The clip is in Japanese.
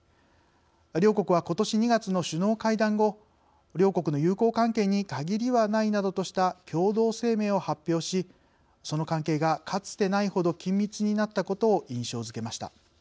両国は、ことし２月の首脳会談後両国の友好関係に限りはないなどとした共同声明を発表しその関係が、かつてないほど緊密になったことを印象づけました。